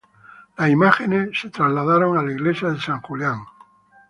Las imágenes fueron trasladadas a la iglesia de San Julián.